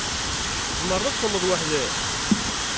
Tzemreḍ ad txedmeḍ weḥd-k?